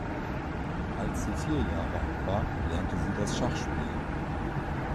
Als sie vier Jahre alt war, lernte sie das Schachspielen.